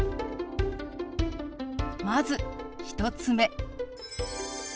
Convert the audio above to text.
まず１つ目。